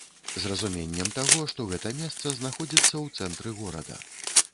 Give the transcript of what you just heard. З разуменнем таго, што гэта месца знаходзіцца ў цэнтры горада.